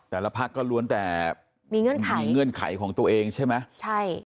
แต่ละพักก็ล้วนแต่มีเงื่อนไขของตัวเองใช่ไหมใช่